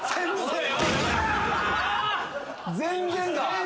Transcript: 全然だ。